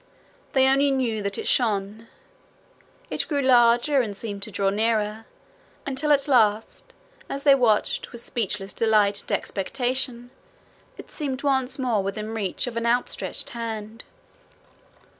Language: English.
They only knew that it shone. It grew larger, and seemed to draw nearer, until at last, as they watched with speechless delight and expectation, it seemed once more within reach of an outstretched hand.